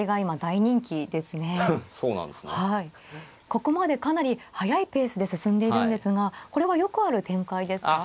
ここまでかなり速いペースで進んでいるんですがこれはよくある展開ですか。